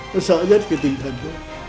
nó sợ nhất cái tinh thần đó